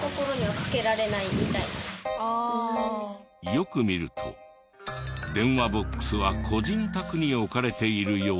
よく見ると電話ボックスは個人宅に置かれているようで。